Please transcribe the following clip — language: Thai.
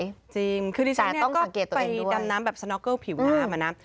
จริงคือดิฉันเนี่ยก็ไปดำน้ำแบบสนอกเกิ้ลผิวน้ำอะนะคือดิฉันเนี่ยก็ไปดำน้ำแบบสนอกเกิ้ลผิวน้ำอะนะ